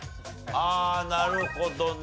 ああなるほどね。